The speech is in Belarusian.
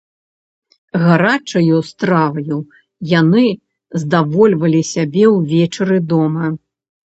Гарачаю страваю яны здавольвалі сябе ўвечары дома.